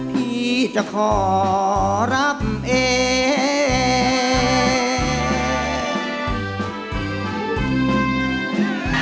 พี่จะขอรับเอง